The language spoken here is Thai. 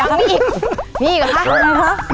อยากมีอีกมีหรอครับ